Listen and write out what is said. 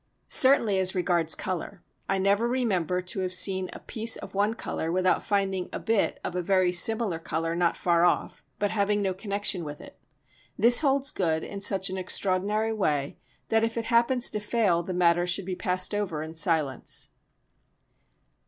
Certainly as regards colour, I never remember to have seen a piece of one colour without finding a bit of a very similar colour not far off, but having no connection with it. This holds good in such an extraordinary way that if it happens to fail the matter should be passed over in silence.